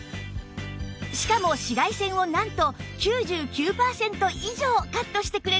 しかも紫外線をなんと９９パーセント以上カットしてくれるんです